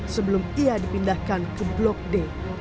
sebelum ia dipindahkan ke blok d